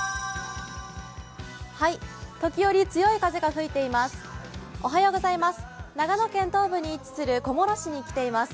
時折、強い風が吹いています。